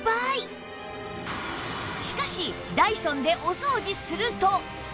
しかしダイソンでお掃除すると